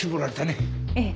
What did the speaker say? ええ。